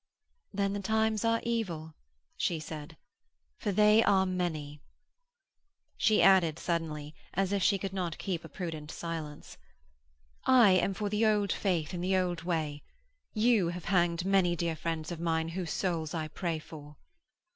'Then the times are evil,' she said, 'for they are many.' She added suddenly, as if she could not keep a prudent silence: 'I am for the Old Faith in the Old Way. You have hanged many dear friends of mine whose souls I pray for.'